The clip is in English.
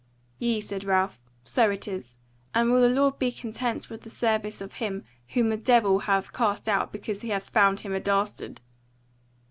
"Yea," said Ralph, "so it is; and will the Lord be content with the service of him whom the devil hath cast out because he hath found him a dastard?"